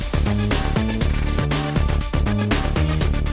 ขอเชิญลุงนี้ดีกว่าไม่ยอมลงรถ